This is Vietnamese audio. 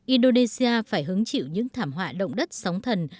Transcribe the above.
indonesia phải hứng chịu những thảm họa động đất sóng thần